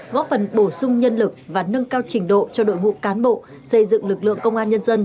góp phần bổ sung nhân lực và nâng cao trình độ cho đội ngũ cán bộ xây dựng lực lượng công an nhân dân